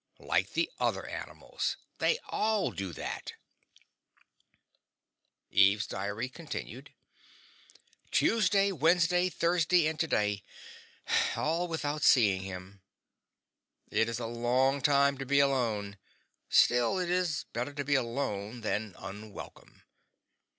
Like the other animals. They all do that. Tuesday Wednesday Thursday and today: all without seeing him. It is a long time to be alone; still, it is better to be alone than unwelcome.